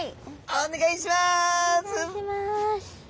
お願いします！